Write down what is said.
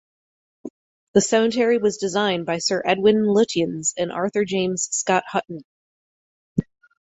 The cemetery was designed by Sir Edwin Lutyens and Arthur James Scott Hutton.